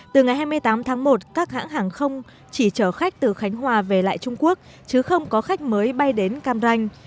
từ ngày hai mươi tám tháng một các hãng hàng không chỉ chở khách từ khánh hòa về lại trung quốc chứ không có khách mới bay đến cam ranh